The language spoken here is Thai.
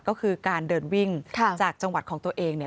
ก็คือการเดินวิ่งจากจังหวัดของตัวเองเนี่ย